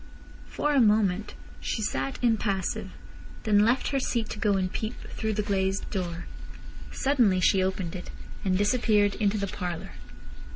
For a moment she sat impassive, then left her seat to go and peep through the glazed door. Suddenly she opened it, and disappeared into the parlour.